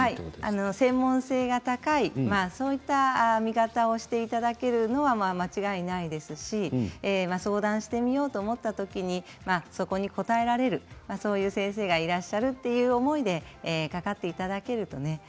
専門性が高いそういう見方をしていただけるのは間違いないですし相談してみようと思った時にそこに応えられるそういう先生がいらっしゃるという思いでかかっていただけるとね